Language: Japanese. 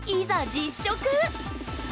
実食！